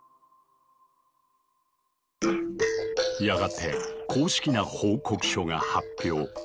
やがて公式な報告書が発表。